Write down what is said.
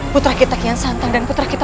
putra kita kian santang dan putra kita